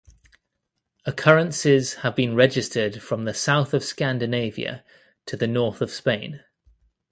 Occurrences have been registered from the south of Scandinavia to the north of Spain.